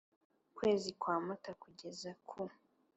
kwezi kwa Mata kugeza ku